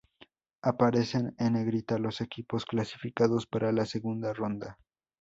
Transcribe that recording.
Aparecen en negrita los equipos clasificados para la segunda ronda.